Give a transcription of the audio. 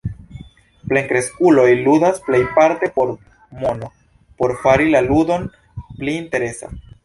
Plenkreskuloj ludas plejparte por mono por fari la ludon pli interesa.